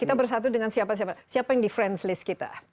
kita bersatu dengan siapa siapa yang di friends list kita